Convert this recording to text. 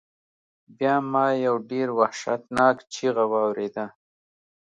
بیا ما یو ډیر وحشتناک چیغہ واوریده.